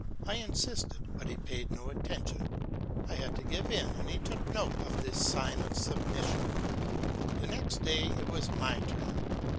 I insisted, but he paid no attention. I had to give in, and he took note of this sign of submission. The next day it was my turn.